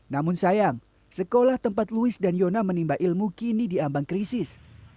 namun sayang sekolah tempat louis dan yona menimba ilmu kini diambang krisis